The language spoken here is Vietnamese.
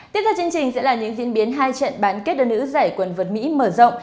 tiếp theo chương trình sẽ là những diễn biến hai trận bán kết đơn nữ giải quần vượt mỹ mở rộng